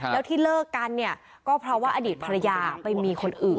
แล้วที่เลิกกันเนี่ยก็เพราะว่าอดีตภรรยาไปมีคนอื่น